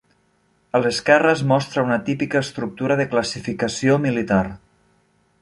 A l'esquerra es mostra una típica estructura de classificació militar.